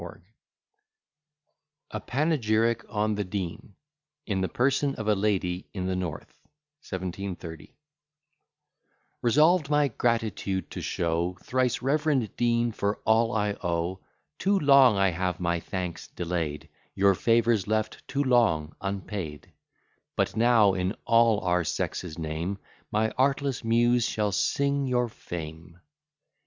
B._] A PANEGYRIC ON THE DEAN IN THE PERSON OF A LADY IN THE NORTH [l] 1730 Resolved my gratitude to show, Thrice reverend Dean, for all I owe, Too long I have my thanks delay'd; Your favours left too long unpaid; But now, in all our sex's name, My artless Muse shall sing your fame.